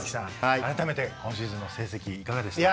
改めて今シーズンの成績いかがでしたか？